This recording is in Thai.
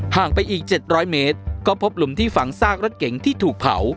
งไปอีก๗๐๐เมตรก็พบหลุมที่ฝังซากรถเก๋งที่ถูกเผา